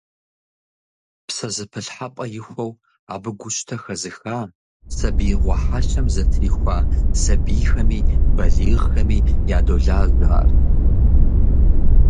ПсэзэпылъхьэпӀэ ихуэу, абы гущтэ хэзыха, сабиигъуэ хьэлъэм зэтрихуа сабийхэми балигъхэми ядолажьэ ар.